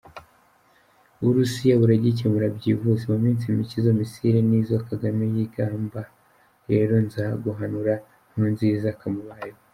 Uburusiya buragikemura byihuse, muminsi mike, izo misile nizo kagame yingamba reronzaguhanura nkurunziza, kamubayeho